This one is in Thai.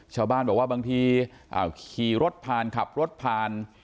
ชาวบ้านบอกว่าบางทีขี่รถผ่านขับรถผ่าน